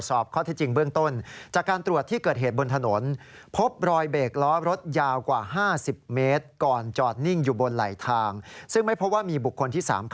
ก็คือไม่ติดใจว่าลูกชายโดนฆาตกรรม